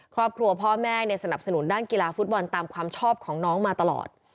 ครอบครัวพ่อแม่สนับสนุนด้านกีฬาฟุตบอลตามความชอบของน้องมาตลอด